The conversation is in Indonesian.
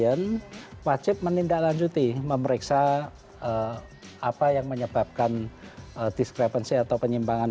ini dialami tidak lama setelah pesawat ini dianggap penerbangan